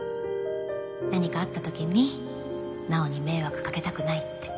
何かあった時に直央に迷惑かけたくないって。